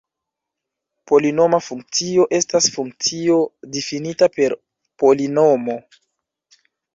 Polinoma funkcio estas funkcio difinita per polinomo.